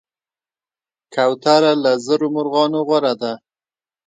کوتره له زرو مرغانو غوره ده.